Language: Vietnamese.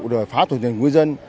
rồi phá tù nhân ngư dân